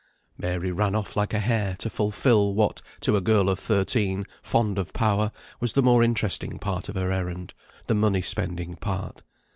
Mary ran off like a hare to fulfil what, to a girl of thirteen, fond of power, was the more interesting part of her errand the money spending part.